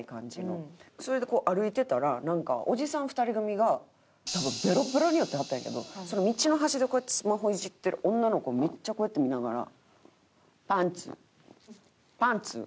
それで歩いてたらなんかおじさん２人組が多分ベロベロに酔ってはったんやけどその道の端でこうやってスマホいじってる女の子をめっちゃこうやって見ながら「パンツ」「パンツ」って言ってるのよ